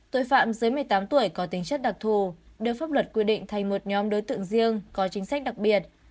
tội phạm dưới một mươi tám tuổi có tính chất đặc thù đưa pháp luật quy định thành một nhóm đối tượng riêng có chính sách đặc biệt